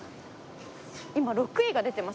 今６位が出てます。